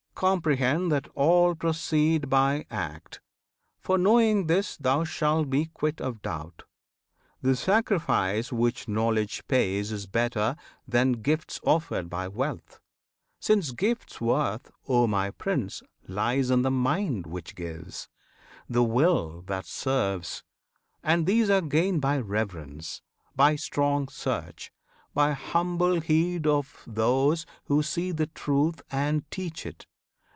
Comprehend That all proceed by act; for knowing this, Thou shalt be quit of doubt. The sacrifice Which Knowledge pays is better than great gifts Offered by wealth, since gifts' worth O my Prince! Lies in the mind which gives, the will that serves: And these are gained by reverence, by strong search, By humble heed of those who see the Truth And teach it.